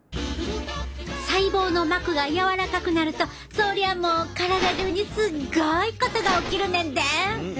細胞の膜が柔らかくなるとそりゃもう体中にすっごいことが起きるねんで！